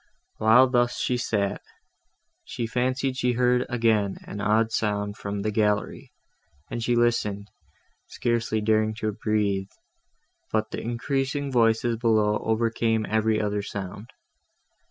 While thus she sat, she fancied she heard again an odd sound from the gallery, and she listened, scarcely daring to breathe, but the increasing voices below overcame every other sound.